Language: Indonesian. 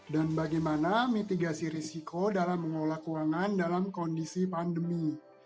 dan bagaimana mitigasi risiko dalam mengolah keuangan dalam kondisi pandemi